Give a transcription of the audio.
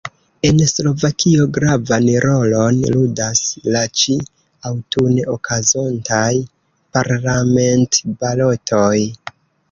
En Slovakio gravan rolon ludas la ĉi-aŭtune okazontaj parlamentbalotoj.